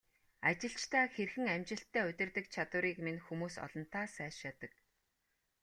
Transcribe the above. Ажилчдаа хэрхэн амжилттай удирддаг чадварыг минь хүмүүс олонтаа сайшаадаг.